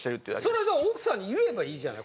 それを奥さんに言えばいいじゃない。